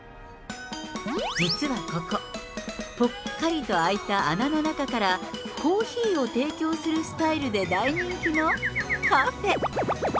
実はここ、ぽっかりと空いた穴の中から、コーヒーを提供するスタイルで大人気のカフェ。